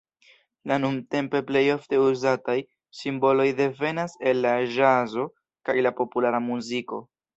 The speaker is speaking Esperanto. La nuntempe plejofte uzataj simboloj devenas el la ĵazo kaj la populara muziko.